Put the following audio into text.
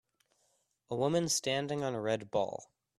A woman standing on a red ball.